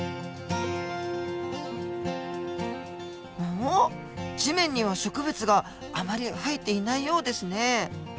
おっ地面には植物があまり生えていないようですね。